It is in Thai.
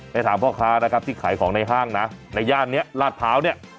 ไปถามพ่อค้านะครับที่ขายของในห้างนะในย่านนี้ลาดพร้าวเนี่ย